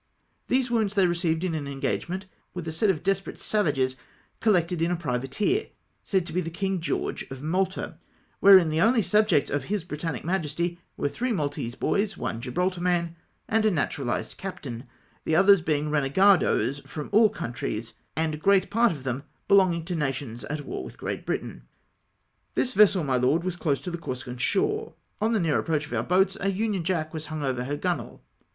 These wounds they received in an engagement with a set of desperate savages collected in a privateer, said to be the King George, of Malta, wherein the only subjects of his Britannic Majesty were three Maltese boys, one Gribraltar man, and a naturalised captain ; the others being renegadoes from all countries, and great part of them belonging to nations at war with Great Britain. " This vessel, my Lord, was close to the Corsican shore. On the near approach of our boats a union jack was hung over her gunwale.